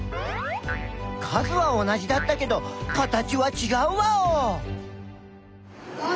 数は同じだったけど形はちがうワオ！